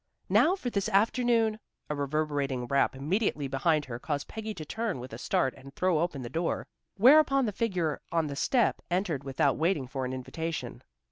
"Now for this afternoon " A reverberating rap immediately behind her, caused Peggy to turn with a start and throw open the door, whereupon the figure on the step entered without waiting for an invitation.